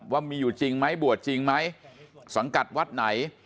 ว่ามีอยู่จริงไหมบวชจริงไหมสังกัดวัดไหน